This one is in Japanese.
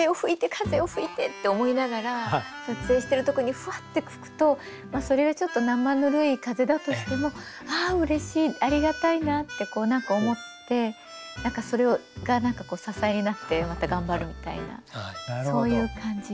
風よ吹いて！って思いながら撮影してるとこにふわって吹くとそれがちょっと生ぬるい風だとしてもあうれしいありがたいなって思ってそれが支えになってまた頑張るみたいなそういう感じ。